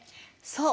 そう。